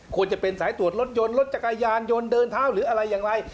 ควรจะเป็นสายตรวจรถยนต์รถจักรยานยนต์เดินเท้าหรืออะไรอย่างไร